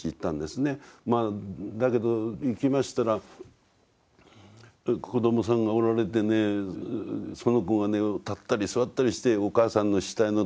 だけど行きましたら子どもさんがおられてねその子がね立ったり座ったりしてお母さんの死体のとこへ来るんですよ。